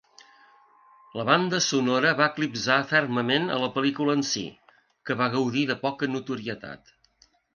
La banda sonora va eclipsar fermament a la pel·lícula en si, que va gaudir de poca notorietat.